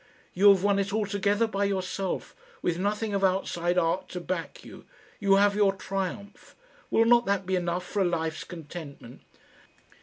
You have won it altogether by yourself, with nothing of outside art to back you. You have your triumph. Will not that be enough for a life's contentment?"